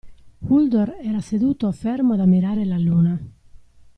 Uldor era seduto fermo ad ammirare la luna.